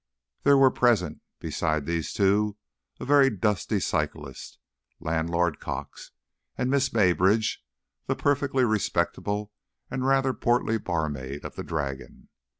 There were present, besides these two, a very dusty cyclist, landlord Cox, and Miss Maybridge, the perfectly respectable and rather portly barmaid of the Dragon.